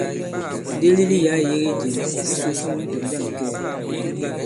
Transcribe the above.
Ndilili yǎ ì yege jěm. Ǐ sǔs mun tɔ̀ jȃŋ kɛɛ.